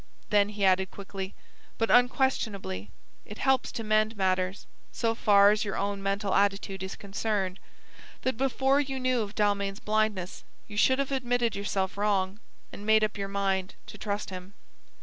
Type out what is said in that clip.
Then he added quickly: "But, unquestionably, it helps to mend matters, so far as your own mental attitude is concerned, that before you knew of Dalmain's blindness you should have admitted yourself wrong, and made up your mind to trust him."